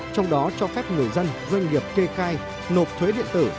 trong đó cho phép người dân doanh nghiệp kê khai nộp thuế điện tử